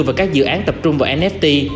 vào các dự án tập trung vào nft